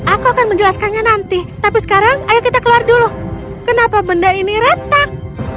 aku akan menjelaskannya nanti tapi sekarang ayo kita keluar dulu kenapa benda ini retak